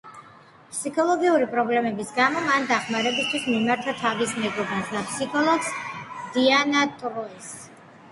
ფსიქოლოგიური პრობლემების გამო მან დახმარებისთვის მიმართა თავის მეგობარს და ფსიქოლოგს დიანა ტროის.